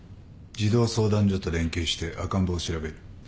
児童相談所と連携して赤ん坊を調べる。